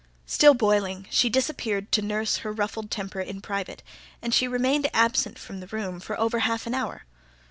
Still boiling, she disappeared to nurse her ruffled temper in private; and she remained absent from the room for over half an hour.